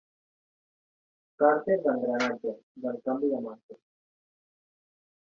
Càrter d'engranatges, del canvi de marxes.